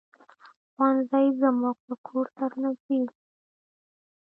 ښوونځی زمونږ له کور سره نږدې دی.